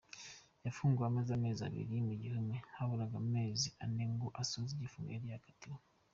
Yafunguwe amaze amezi abiri mu gihome, haburaga amezi ane ngo asoze igifungo yari yakatiwe.